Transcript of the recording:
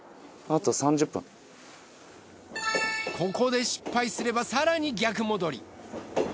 ここで失敗すれば更に逆戻り。